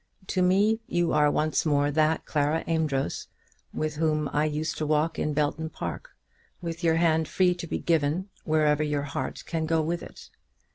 To me you are once more that Clara Amedroz with whom I used to walk in Belton Park, with your hand free to be given wherever your heart can go with it.